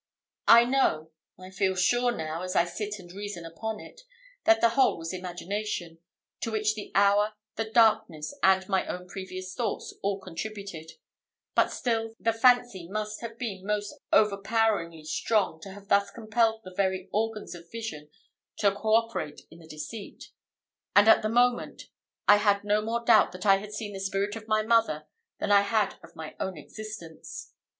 I know I feel sure, now, as I sit and reason upon it that the whole was imagination, to which the hour, the darkness, and my own previous thoughts, all contributed: but still, the fancy must have been most overpoweringly strong to have thus compelled the very organs of vision to co operate in the deceit; and, at the moment, I had no more doubt that I had seen the spirit of my mother than I had of my own existence.